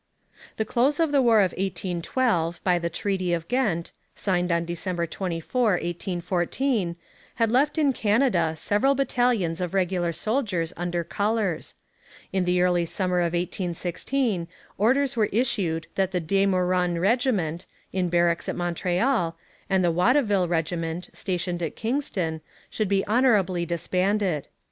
The close of the War of 1812 by the Treaty of Ghent, signed on December 24,1814, had left in Canada several battalions of regular soldiers under colours. In the early summer of 1816 orders were issued that the De Meuron regiment, in barracks at Montreal, and the Watteville regiment, stationed at Kingston, should be honourably disbanded.